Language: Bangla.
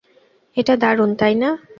এটা দারুণ, তাই না?